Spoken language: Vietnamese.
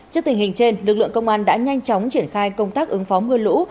trước tình hình trên lực lượng công an đã nhanh chóng triển khai công tác ứng phó mưa lũ